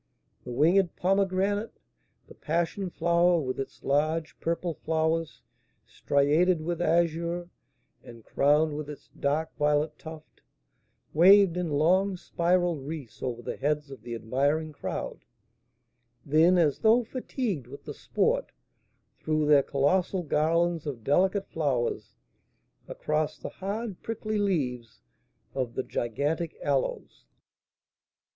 The winged pomegranate, the passion flower, with its large purple flowers striated with azure, and crowned with its dark violet tuft, waved in long spiral wreaths over the heads of the admiring crowd, then, as though fatigued with the sport, threw their colossal garlands of delicate flowers across the hard, prickly leaves of the gigantic aloes.